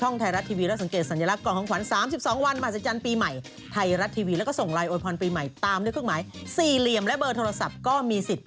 นี่เลยครับความคอนโดพลักษณ์รังสิทธิ์